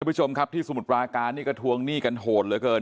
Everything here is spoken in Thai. ผู้ชมครับที่สมุทรปราการนี่ก็ทวงหนี้กันโหดเหลือเกิน